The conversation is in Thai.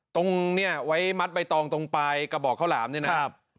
ตรงนี่ไว้มัดใบตองตรงไปกระบอกข้าวหลามนี่นะ